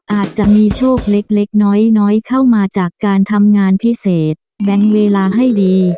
อาจจะมีโชคเล็กน้อยเข้ามาจากการทำงานพิเศษแบ่งเวลาให้ดี